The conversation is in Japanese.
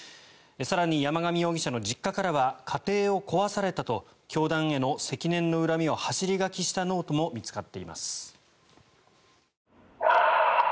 更に山上容疑者の実家からは家庭を壊されたと教団への積年の恨みを走り書きしたノートも見つかっています。